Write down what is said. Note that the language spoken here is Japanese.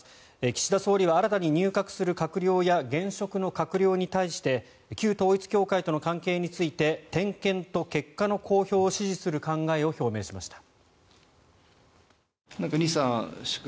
岸田総理は新たに入閣する閣僚や現職の閣僚に対して旧統一教会との関係について点検と結果の公表を指示する考えを表明しました。